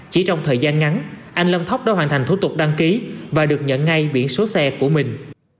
chỉ trong thời gian ngắn anh lâm thóc đã hoàn thành thủ tục đăng ký và được nhận ngay biển số xe của mình